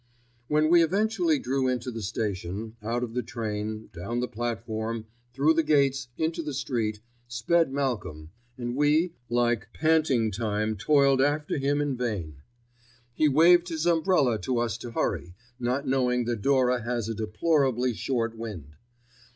When we eventually drew into the station, out of the train, down the platform, through the gates, into the street, sped Malcolm, and we, like "panting time toiled after him in vain." He waved his umbrella to us to hurry, not knowing that Dora has a deplorably short wind.